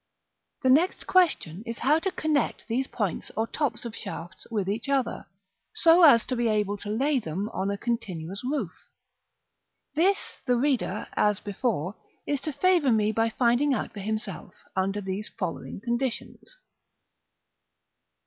The next question is how to connect these points or tops of shafts with each other, so as to be able to lay on them a continuous roof. This the reader, as before, is to favor me by finding out for himself, under these following conditions.